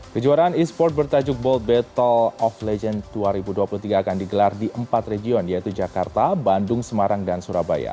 kejuaraan e sport bertajuk boll battle of legend dua ribu dua puluh tiga akan digelar di empat region yaitu jakarta bandung semarang dan surabaya